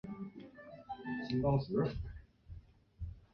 死后其子摩醯逻矩罗即位。